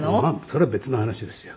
それは別の話ですよ。